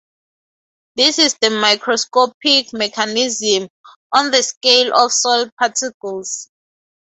This is the "microscopic" mechanism, on the scale of soil particles.